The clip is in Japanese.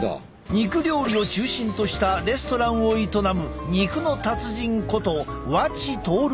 肉料理を中心としたレストランを営む肉の達人こと和知徹さんだ。